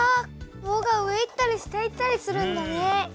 棒が上いったり下いったりするんだね。